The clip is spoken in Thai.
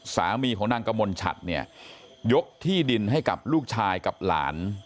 สามีของนางกมลชัดเนี่ยยกที่ดินให้กับลูกชายกับหลาน